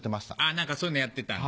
何かそういうのやってたんだ。